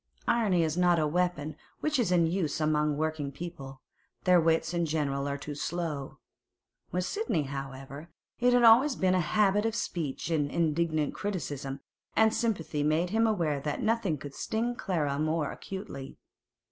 Irony is not a weapon much in use among working people; their wits in general are too slow. With Sidney, however, it had always been a habit of speech in indignant criticism, and sympathy made him aware that nothing would sting Clara more acutely.